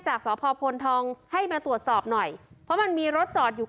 จากสพพลทองให้มาตรวจสอบหน่อยเพราะมันมีรถจอดอยู่